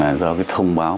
là do thông báo